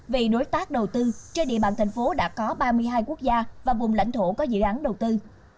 vì đối tác đầu tư trên địa bàn thành phố đã có ba mươi hai quốc gia và vùng lãnh thổ có dự án đầu tư